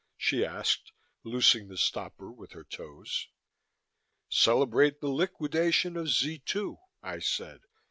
she asked, loosing the stopper with her toes. "Celebrate the liquidation of Z 2," I said.